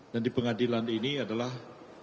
dan di pengadilan ini adalah